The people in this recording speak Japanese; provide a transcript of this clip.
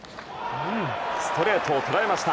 ストレートを捉えました。